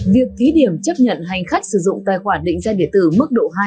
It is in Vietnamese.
việc thí điểm chấp nhận hành khách sử dụng tài khoản định danh địa tử mức độ hai